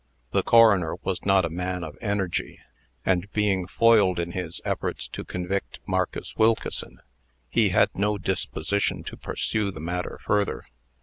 The coroner was not a man of energy; and, being foiled in his efforts to convict Marcus Wilkeson, he had no disposition to pursue the matter further.